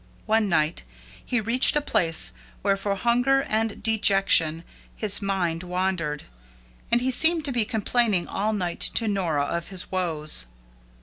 One night he reached a place, where, for hunger and dejection, his mind wandered, and he seemed to be complaining all night to Nora of his woes.